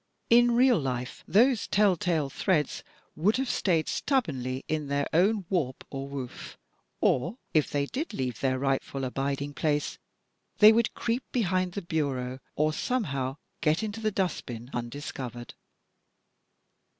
In real life those tell tale threads would have stayed stubbornly in their own warp or woof; or if they did leave their rightful abiding place they would creep behind the bureau or somehow get into the dust bin imdiscovered.